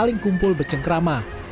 saling kumpul bercengkrama